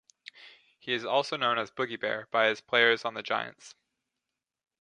He is also known as Boogie Bear by his players on the Giants.